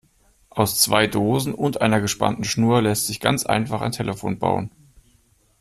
Aus zwei Dosen und einer gespannten Schnur lässt sich ganz einfach ein Telefon bauen.